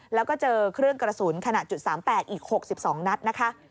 แล้วก็เจอเครื่องกระสุนขนาด๓๘อีก๖๒นัดนะคะ